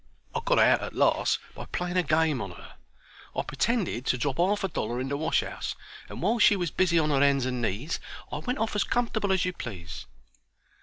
I got out at last by playing a game on her. I pertended to drop 'arf a dollar in the washus, and while she was busy on 'er hands and knees I went off as comfortable as you please.